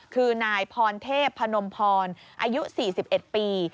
คือนายพรเทพพนมพรอายุ๔๑ปี